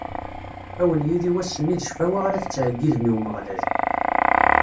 Ad wen-yili wass-nni d ccfawa ara tettɛeggidem i Umeɣlal.